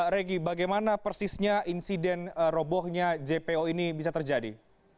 regi bagaimana persisnya insiden robohnya jpo ini bisa terjadi